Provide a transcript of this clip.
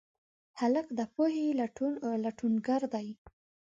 هلک د پوهې لټونګر دی.